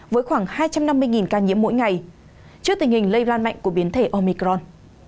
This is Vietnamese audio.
với khoảng hai trăm năm mươi ca nhiễm mỗi ngày trước tình hình lây lan mạnh của biến thể omicron